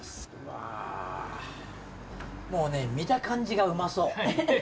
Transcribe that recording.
もうね見た感じがうまそう。